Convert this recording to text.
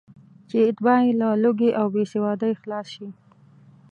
چې اتباع یې له لوږې او بېسوادۍ خلاص شي.